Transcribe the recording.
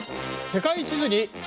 世界地図